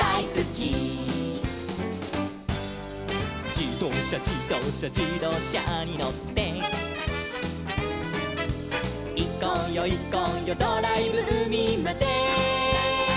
「じどうしゃじどうしゃじどうしゃにのって」「いこうよいこうよドライブうみまで」